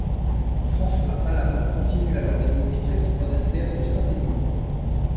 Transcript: François Alamand continue alors d'administrer son monastère de Sainte-Énimie.